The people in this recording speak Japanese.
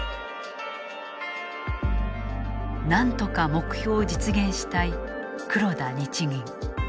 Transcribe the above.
なんとか目標を実現したい黒田日銀。